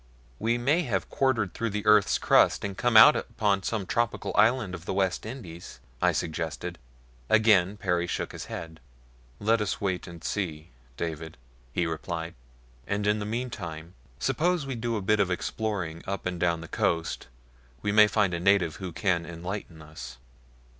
"We may have quartered through the earth's crust and come out upon some tropical island of the West Indies," I suggested. Again Perry shook his head. "Let us wait and see, David," he replied, "and in the meantime suppose we do a bit of exploring up and down the coast we may find a native who can enlighten us."